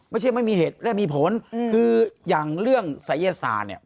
ไม่มีเหตุและมีผลคืออย่างเรื่องศัยศาสตร์เนี่ย